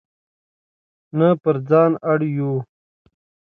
نه پر ځان اړ یو.